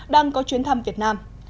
đang có chuyến thăm việt nam